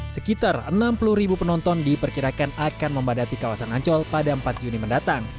sekitar enam puluh ribu penonton diperkirakan akan membadati kawasan ancol pada empat juni mendatang